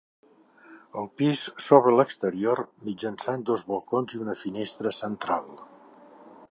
El pis s'obre a l'exterior mitjançant dos balcons i una finestra central.